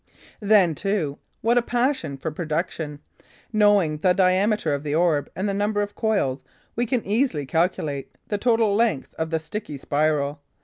Then, too, what a passion for production! Knowing the diameter of the orb and the number of coils, we can easily calculate the total length of the sticky spiral.